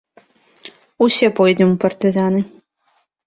Усе пойдзем у партызаны!